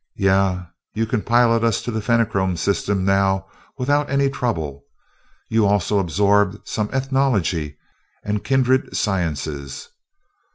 "Yeah, you can pilot us to the Fenachrone system now without any trouble. You also absorbed some ethnology and kindred sciences.